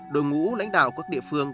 đội ngũ lãnh đạo các địa phương